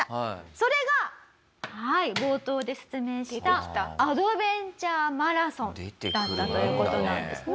それがはい冒頭で説明したアドベンチャーマラソンだったという事なんですね。